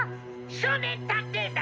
少年探偵団！